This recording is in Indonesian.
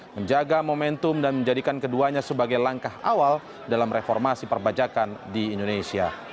menjaga momentum dan menjadikan keduanya sebagai langkah awal dalam reformasi perbajakan di indonesia